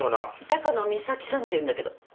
高野美咲さんっていうんだけど。